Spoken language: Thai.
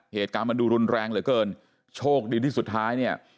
เหตุการณ์มันดูรุนแรงเหลือเกินโชคดีที่สุดท้ายเนี่ย